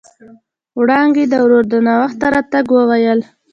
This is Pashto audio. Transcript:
وړانګې د ورور د ناوخت راتګ وويل.